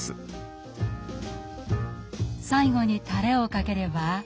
最後にたれをかければ